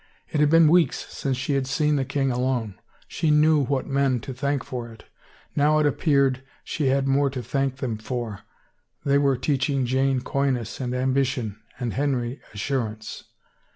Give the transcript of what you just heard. It had been weeks since she had seen the king alone. She knew what men to thank for it. ... Now it appeared, she had more to thank them for — they were teaching Jane coyness and ambition, and Henry assur ance.